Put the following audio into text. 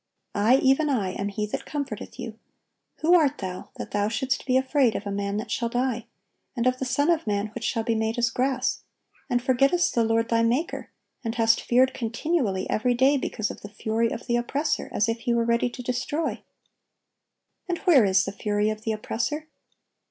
I, even I, am He that comforteth you: who art thou, that thou shouldst be afraid of a man that shall die, and of the son of man which shall be made as grass; and forgettest the Lord thy Maker; ... and hast feared continually every day because of the fury of the oppressor, as if he were ready to destroy? and where is the fury of the oppressor?